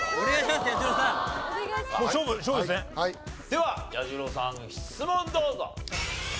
では彌十郎さん質問どうぞ。